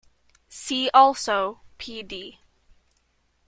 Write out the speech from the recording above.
See also Pd.